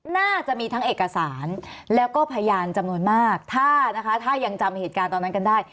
น่าจะมีทั้งเอกสารแล้วก็พยานจำนวนมากถ้านะคะถ้ายังจำเหตุการณ์ตอนนั้นกันได้